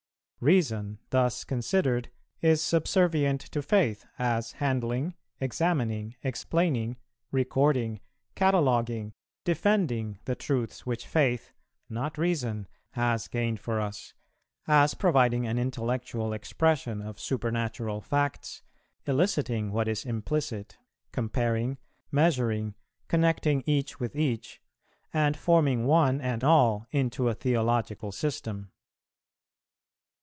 Reason, thus considered, is subservient to faith, as handling, examining, explaining, recording, cataloguing, defending, the truths which faith, not reason, has gained for us, as providing an intellectual expression of supernatural facts, eliciting what is implicit, comparing, measuring, connecting each with each, and forming one and all into a theological system.